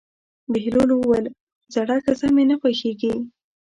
بهلول وویل: زړه ښځه مې نه خوښېږي.